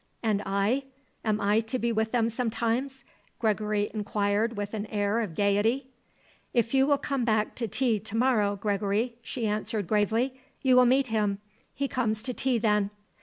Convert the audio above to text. "And I? Am I to be with them sometimes?" Gregory inquired with an air of gaiety. "If you will come back to tea to morrow, Gregory," she answered gravely, "you will meet him. He comes to tea then."